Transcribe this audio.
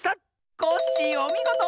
コッシーおみごと！